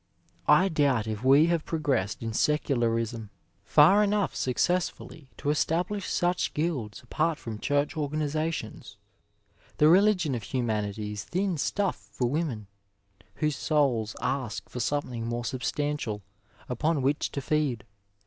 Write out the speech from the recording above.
I doubt if we have progressed in secularism far enough successfully to establish such guilds apart from church oi^anizations. The Religion of Humanity is thin stuff for women, whose souls ask for something more substantial upon which to feed.